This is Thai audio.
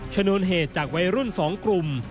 ชนวนเหตุจากวัยรุ่น๒กลุ่ม